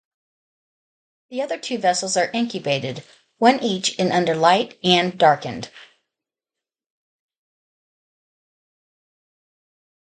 The other two vessels are incubated, one each in under light and darkened.